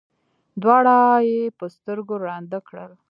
دواړه یې په سترګو ړانده کړل.